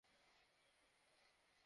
হুম, ভালো।